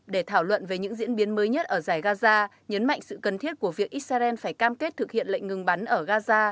để thảo luận về những diễn biến mới nhất ở giải gaza nhấn mạnh sự cần thiết của việc israel phải cam kết thực hiện lệnh ngừng bắn ở gaza